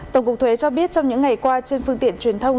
tổng cục thuế cho biết trong những ngày qua trên phương tiện truyền thông